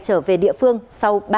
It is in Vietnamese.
trở về địa phương sau ba mươi chín năm